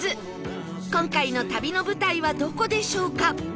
今回の旅の舞台はどこでしょうか？